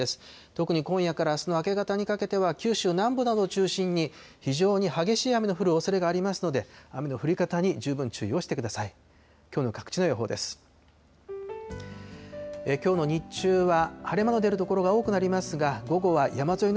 特に今夜からあすの明け方にかけては、九州南部などを中心に、非常に激しい雨の降るおそれがありますので、雨の降り方に十分注意をしてください。